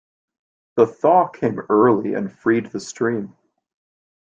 The thaw came early and freed the stream.